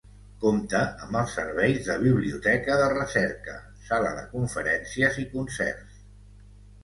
Compta amb els serveis de biblioteca de recerca, sala de conferències i concerts.